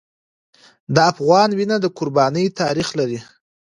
د افغان وینه د قربانۍ تاریخ لري.